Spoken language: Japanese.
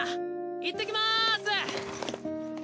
いってきます！